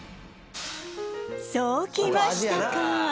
そうきましたか！